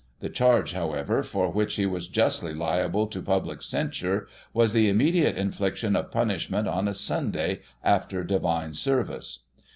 The charge, however, for which he was justly liable to public censure, was the immediate infliction of punishment, on a Sunday, after Divine Service.